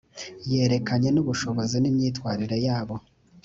yerekeranye n ubushobozi n imyitwarire y abo